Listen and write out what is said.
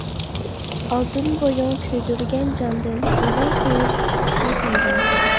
ئالتۇن بويۇڭ كۆيدۈرگەن جاندىن، بولار سۆيۈش ئىستىكى پەيدا.